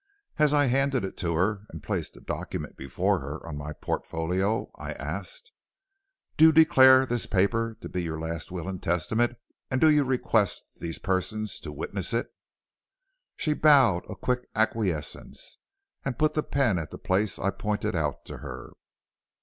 As I handed it to her and placed the document before her on my portfolio, I asked: "'Do you declare this paper to be your last will and testament and do you request these persons to witness it?' "She bowed a quick acquiescence, and put the pen at the place I pointed out to her.